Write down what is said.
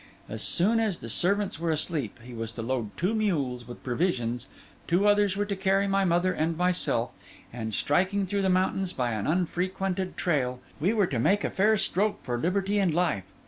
As soon as the servants were asleep, he was to load two mules with provisions; two others were to carry my mother and myself; and, striking through the mountains by an unfrequented trail, we were to make a fair stroke for liberty and life.